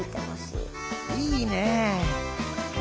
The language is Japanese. いいねえ。